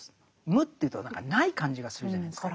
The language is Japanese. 無というと何かない感じがするじゃないですか。